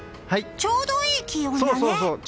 ちょうどいい気温だね。